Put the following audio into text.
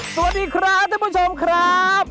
สวัสดีครับท่านผู้ชมครับ